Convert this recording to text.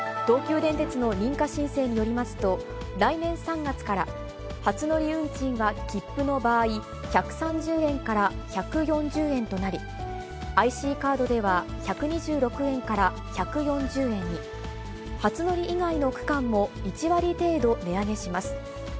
東急電鉄の認可申請によりますと、来年３月から初乗り運賃は切符の場合、１３０円から１４０円となり、ＩＣカードでは、１２６円から１４０円に、初乗り以外の区間も１割程度値上げします。